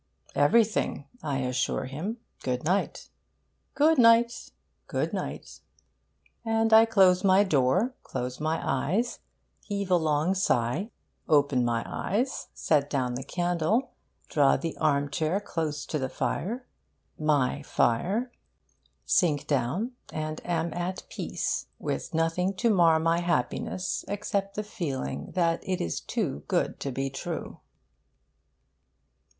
'Everything,' I assure him; 'good night.' 'Good night.' 'Good night,' and I close my door, close my eyes, heave a long sigh, open my eyes, set down the candle, draw the armchair close to the fire (my fire), sink down, and am at peace, with nothing to mar my happiness except the feeling that it is too good to be true.